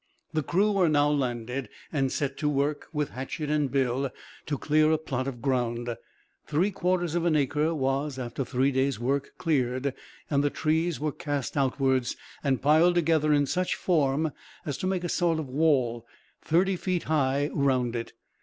The crew were now landed; and set to work, with hatchet and bill, to clear a plot of ground. Three quarters of an acre was, after three days' work, cleared; and the trees were cast outwards, and piled together in such form as to make a sort of wall, 30 feet high, round it.